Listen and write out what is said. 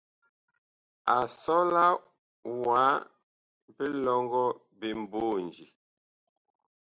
A sɔla wa bilɔŋgɔ mboonji.